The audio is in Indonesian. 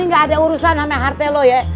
eh nih gak ada urusan sama harta lo ya